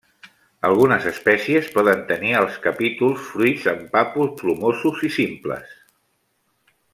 Algunes espècies poden tenir als capítols fruits amb papus plomosos i simples.